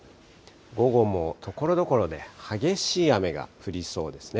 午後もところどころで激しい雨が降りそうですね。